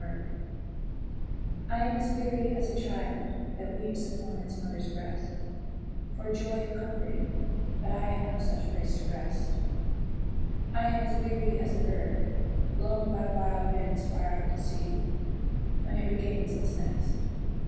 A SONG I am as weary as a child That weeps upon its mother's breast For joy of comforting. But I Have no such place to rest. I am as weary as a bird Blown by wild winds far out to sea When it regains its nest.